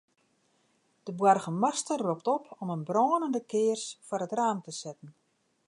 De boargemaster ropt op om in brânende kears foar it raam te setten.